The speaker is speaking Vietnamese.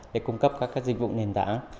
để cung cấp các dịch vụ nền tảng